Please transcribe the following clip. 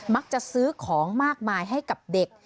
มักจะซื้อของมากมายให้กับเด็ก